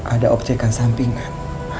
ada objekan sampingan